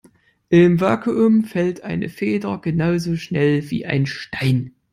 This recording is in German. Im Vakuum fällt eine Feder genauso schnell wie ein Stein.